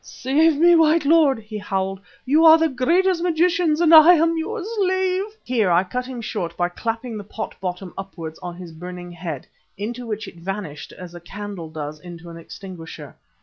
"Save me, white lord!" he howled. "You are the greatest of magicians and I am your slave." Here I cut him short by clapping the pot bottom upwards on his burning head, into which it vanished as a candle does into an extinguisher.